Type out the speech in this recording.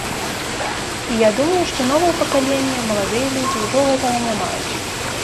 І я думаю, што новае пакаленне, маладыя людзі, ужо гэтага не маюць.